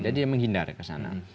jadi dia menghindar ke sana